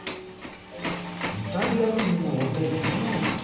イタリア風のおでんねぇ。